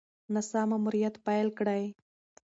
ناسا ماموریت پیل کړی.